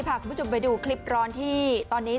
พาคุณผู้ชมไปดูคลิปร้อนที่ตอนนี้